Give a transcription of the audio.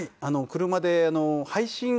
車で配信。